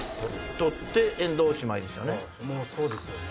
取って遠藤おしまいですよね。